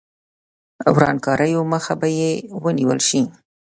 ورانکاریو مخه به یې ونیول شي.